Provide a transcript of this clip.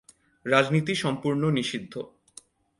রাজনীতি সম্পূর্ণ নিষিদ্ধ।